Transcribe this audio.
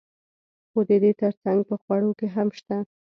خو د دې ترڅنګ په خوړو کې هم شته.